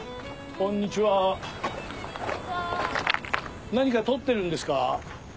・こんにちは・何かとってるんですか？